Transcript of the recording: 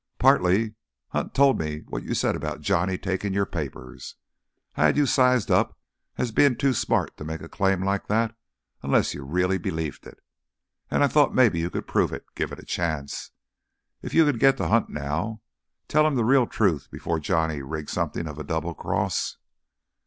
"Partly. Hunt told me what you said about Johnny taking your papers. I had you sized up as being too smart to make a claim like that unless you really believed it. And I thought maybe you could prove it, given a chance. If you can get to Hunt now ... tell him the real truth before Johnny rigs something of a double cross...."